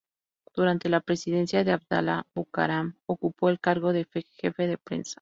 Durante la presidencia de Abdalá Bucaram, ocupó el cargo de jefe de prensa.